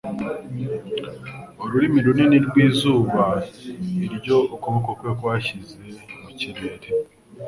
Urumuri runini rw'izuba iryo ukuboko kwe kwashyize mu kirere,